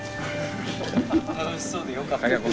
楽しそうでよかった。